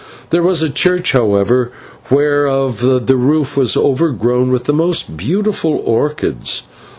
There was a church, however, whereof the roof was overgrown with the most beautiful orchids.